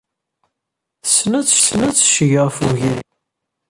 Tessen ad tecceg ɣef wegris.